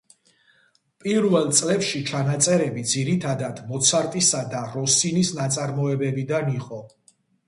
პირველ წლებში ჩანაწერები ძირითადად მოცარტისა და როსინის ნაწარმოებებიდან იყო.